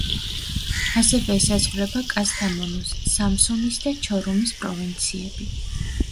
ასევე ესაზღვრება კასთამონუს, სამსუნის და ჩორუმის პროვინციები.